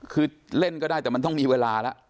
คือเล่นก็ได้แต่มันต้องมีเวลาแล้ว